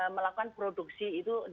melakukan produksi itu